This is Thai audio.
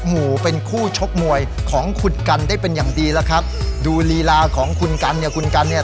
หมู่เป็นคู่ชกมวยของคุณกันได้เป็นอย่างดีแล้วครับดูลีลาของคุณกันเนี้ย